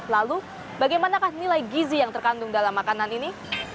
lalu bagaimanakah nilai gizi yang terkandung dalam makanan ini